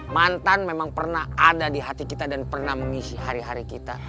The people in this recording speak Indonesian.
mantan memang pernah ada di hati kita dan pernah mengisi hari hari kita